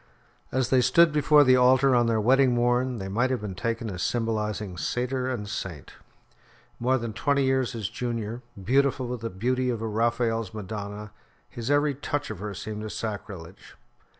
As they stood before the altar on their wedding morn, they might have been taken as symbolising satyr and saint. More than twenty years his junior, beautiful with the beauty of a Raphael's Madonna, his every touch of her seemed a sacrilege.